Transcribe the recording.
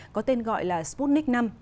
có tên gọi là sputnik v